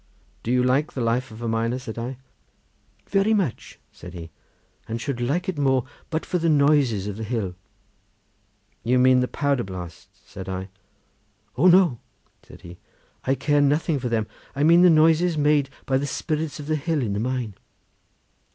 "Do you like the life of a miner?" said I. "Very much," said he, "and should like it more, but for the noises of the hill." "Do you mean the powder blasts?" said I. "O no!" said he; "I care nothing for them, I mean the noises made by the spirits of the hill in the mine.